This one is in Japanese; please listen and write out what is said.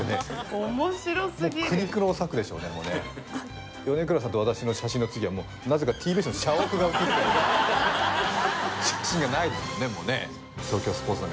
おもしろすぎるもう苦肉の策でしょうね米倉さんと私の写真の次はなぜかＴＢＳの社屋が写ってる写真がないですもんね